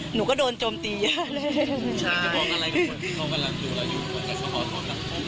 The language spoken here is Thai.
หนูก็โดนโจมตีใช่อยากจะบอกอะไรกับคนที่โทษกันหลังดูเราอยู่กับคนที่เฉาะตอนดังคมด้วยอะไร